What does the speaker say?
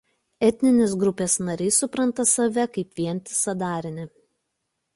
Etninės grupės nariai supranta save kaip vientisą darinį.